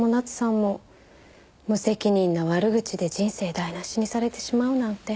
無責任な悪口で人生台無しにされてしまうなんて。